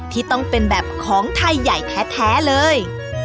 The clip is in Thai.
ที่ต้องเป็นแบบของไทยใหญ่แท้เลย